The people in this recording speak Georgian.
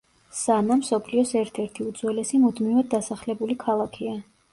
სანა მსოფლიოს ერთ-ერთი უძველესი მუდმივად დასახლებული ქალაქია.